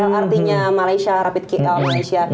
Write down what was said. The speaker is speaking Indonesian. lrt artinya malaysia rapid kl malaysia